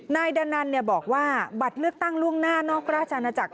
นายดานันบอกว่าบัตรเลือกตั้งล่วงหน้านอกราชอาณาจักร